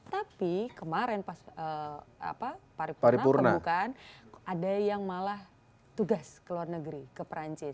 tapi kemarin pas paripurna pembukaan ada yang malah tugas ke luar negeri ke perancis